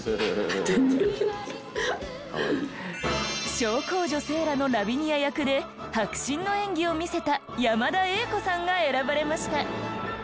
『小公女セーラ』のラビニア役で迫真の演技を見せた山田栄子さんが選ばれました。